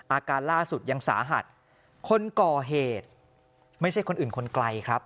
อาการล่าสุดยังสาหัสคนก่อเหตุไม่ใช่คนอื่นคนไกลครับ